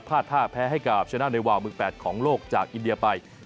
ท่าแพ้ให้กับชนะเนวาวมือ๘ของโลกจากอินเดียไป